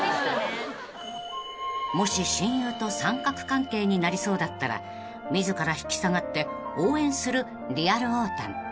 ［もし親友と三角関係になりそうだったら自ら引き下がって応援するリアルおーたん］